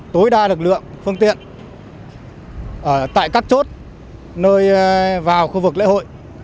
tối đa lực lượng phương tiện tại các chốt nơi vào khu vực lễ hội